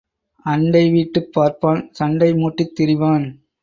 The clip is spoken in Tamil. அண்டை வீட்டுப் பார்ப்பான் சண்டை மூட்டித் திரிவான்.